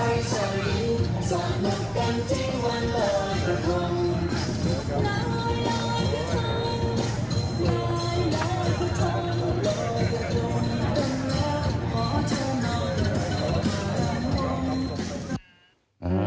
อ่ะหัวเราหน้าข้องหัวเรา